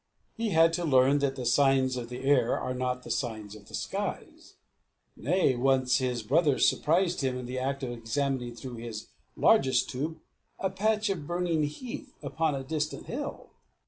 He had to learn that the signs of the air are not the signs of the skies. Nay, once, his brother surprised him in the act of examining through his longest tube a patch of burning heath upon a distant hill.